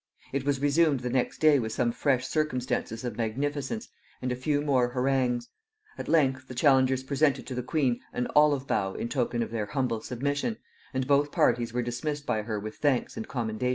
It was resumed the next day with some fresh circumstances of magnificence and a few more harangues: at length the challengers presented to the queen an olive bough in token of their humble submission, and both parties were dismissed by her with thanks and commendations.